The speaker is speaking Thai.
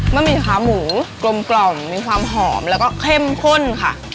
หมี่ขาหมูกลมมีความหอมแล้วก็เข้มข้นค่ะ